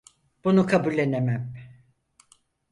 Bunu kabullenemem.